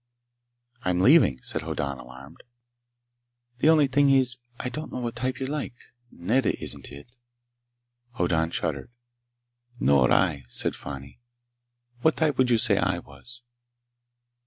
"I'm leaving," said Hoddan, alarmed. "The only thing is— I don't know what type you like. Nedda isn't it." Hoddan shuddered. "Nor I," said Fani. "What type would you say I was?"